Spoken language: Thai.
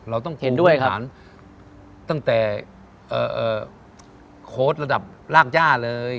เราต้องปูพื้นฐานตั้งแต่โค้ดระดับรากจ้าเลย